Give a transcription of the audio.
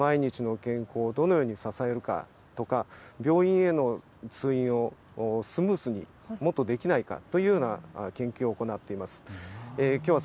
例えば、最先端のテクノロジーを用いて毎日の健康をどのように支えるかとか、病院への通院をスムーズに、もっとできないかというような研究を行っています。